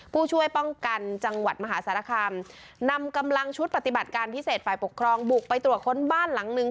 ผู้ช่วยป้องกันจังหวัดมหาสารคามนำกำลังชุดปฏิบัติการพิเศษฝ่ายปกครองบุกไปตรวจค้นบ้านหลังนึง